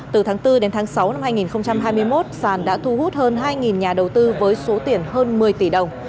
từ tháng bốn đến tháng sáu năm hai nghìn hai mươi một sàn đã thu hút hơn hai nhà đầu tư với số tiền hơn một mươi tỷ đồng